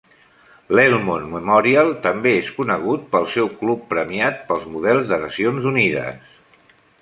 L'Elmont Memorial també és conegut pel seu club premiat pel Models de Nacions Unides.